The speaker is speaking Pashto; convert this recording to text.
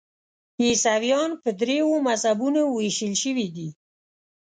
عیسویان په دریو مذهبونو ویشل شوي دي.